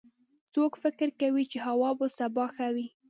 څوک فکر کوي چې هوا به سبا ښه وي